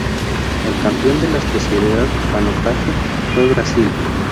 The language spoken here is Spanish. El campeón de la especialidad Canotaje fue Brasil.